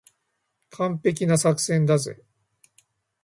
完璧な作戦だぜ。